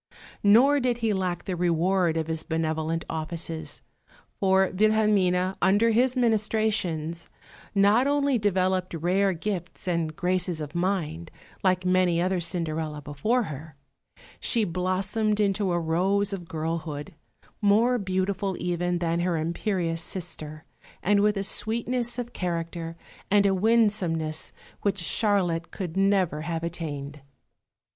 Nor did he lack the reward of his benevolent offices; for Wilhelmine, under his ministrations, not only developed rare gifts and graces of mind, like many another Cinderella before her; she blossomed into a rose of girlhood, more beautiful even than her imperious sister, and with a sweetness of character and a winsomeness which Charlotte could never have attained.